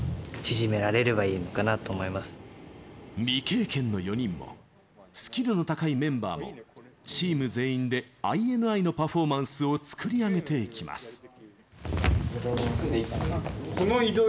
未経験の４人もスキルの高いメンバーもチーム全員でＩＮＩのパフォーマンスを作り上げていきます。